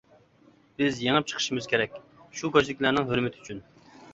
بىز يېڭىپ چىقىشىمىز كېرەك، شۇ كوچىدىكىلەرنىڭ ھۆرمىتى ئۈچۈن!